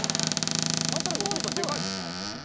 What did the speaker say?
なんとなくお父さんでかいもんな。